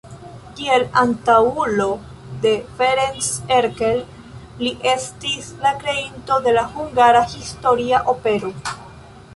Kiel antaŭulo de Ferenc Erkel li estis la kreinto de la hungara historia opero.